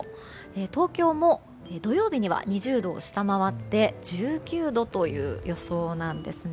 東京も土曜日には２０度を下回って１９度という予想です。